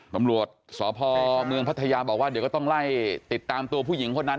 ปำรวจสภพัฒนาธรรมน์บอกว่าเดี๋ยวก็ต้องไล่ติดตามตัวผู้หญิงพวกนั้นก่อน